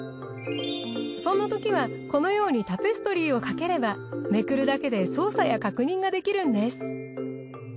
そんなときはこのようにタペストリーをかければめくるだけで操作や確認ができるんです。